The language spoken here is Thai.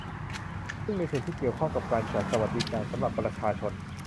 ซึ่งในส่วนที่เกี่ยวข้องกับการจัดสวัสดิการสำหรับประชาชน